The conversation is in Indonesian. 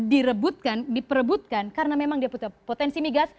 kemudian direbutkan diperebutkan karena memang dia punya potensi migas